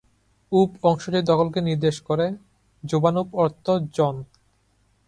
"Of" অংশটি দখলকে নির্দেশ করে: "জোভানোভ" অর্থ "জন"।